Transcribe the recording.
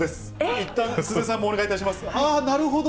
いったん、鈴江さんもお願いいたします。